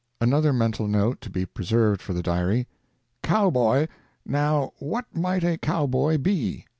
Another mental note to be preserved for the diary: "Cowboy. Now what might a cowboy be?